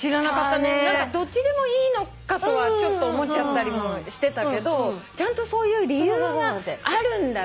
何かどっちでもいいのかとは思っちゃったりもしてたけどちゃんとそういう理由があるんだね。